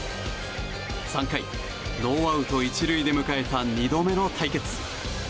３回、ノーアウト１塁で迎えた２度目の対決。